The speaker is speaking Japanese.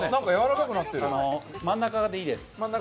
真ん中でいいです。